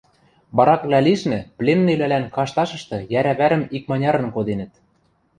Бараквлӓ лишнӹ пленныйвлӓлӓн кашташышты йӓрӓ вӓрӹм икманярын коденӹт.